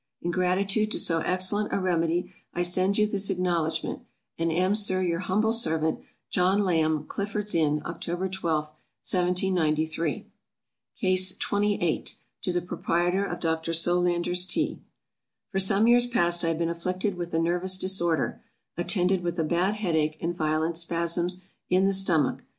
In gratitude to so excellent a remedy, I send you this acknowledgement, and am, SIR, your humble servant, JOHN LAMB. Clifford's Inn, Oct. 12, 1793. CASE XXVIII. To the Proprietor of Dr. Solander's TEA. FOR some years past, I have been afflicted with a nervous disorder, attended with a bad head ache, and violent spasms in the stomach.